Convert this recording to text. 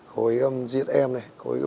khối gsm này khối